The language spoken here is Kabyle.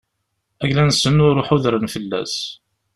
Ayla-nsen ur ḥudren fell-as.